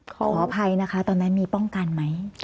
ขออภัยนะคะตอนนั้นมีป้องกันไหม